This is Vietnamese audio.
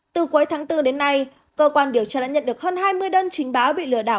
từ cuối tháng bốn đến nay cơ quan điều tra đã nhận được hơn hai mươi đơn trình báo bị lừa đảo